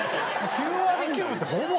９割９分ってほぼ。